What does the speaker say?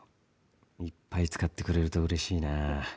いっぱい使ってくれるとうれしいな。